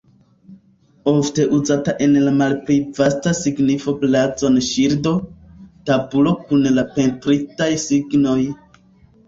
Ofte uzata en la malpli vasta signifo blazon-ŝildo, tabulo kun la pentritaj signoj.